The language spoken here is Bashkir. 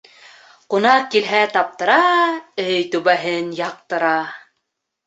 Кунаҡ килһә таптыра, өй түбәһен яҡтыра.